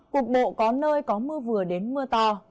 cục bộ có nơi có mưa vừa đến mưa to